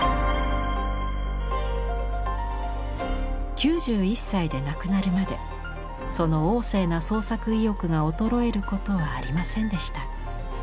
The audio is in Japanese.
９１歳で亡くなるまでその旺盛な創作意欲が衰えることはありませんでした。